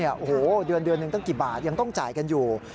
โอ้โหเดือนหนึ่งตั้งกี่บาทยังต้องจ่ายกันอยู่